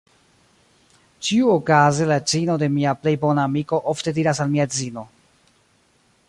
Ĉiuokaze la edzino de mia plej bona amiko ofte diras al mia edzino: